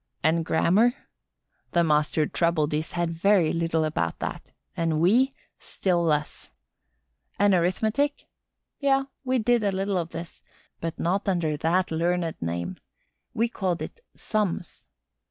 And grammar? The master troubled his head very little about that; and we still less. And arithmetic? Yes, we did a little of this, but not under that learned name. We called it sums.